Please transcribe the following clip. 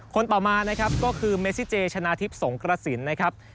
ต่อมานะครับก็คือเมซิเจชนะทิพย์สงกระสินนะครับ